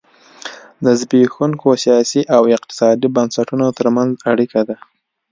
د زبېښونکو سیاسي او اقتصادي بنسټونو ترمنځ اړیکه ده.